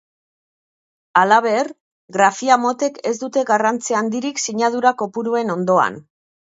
Halaber, grafia motek ez dute garrantzi handirik sinadura kopuruen ondoan.